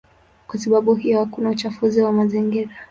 Kwa sababu hiyo hakuna uchafuzi wa mazingira.